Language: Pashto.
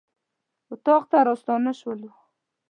اطاق ته راستانه شولو.